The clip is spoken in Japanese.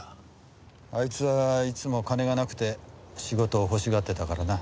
あいつはいつも金がなくて仕事を欲しがってたからな。